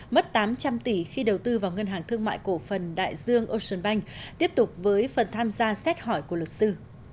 mất tám trăm linh tỷ khi đầu tư vào ngân hàng thương mại cổ phần đại dương ocean bank tiếp tục với phần tham gia xét hỏi của luật sư